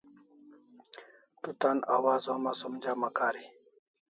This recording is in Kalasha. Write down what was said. Tu tan awaz homa som jama kari